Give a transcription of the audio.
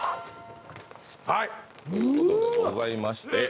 はいということでございましてうわ！